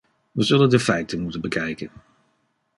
We zullen de feiten moeten bekijken.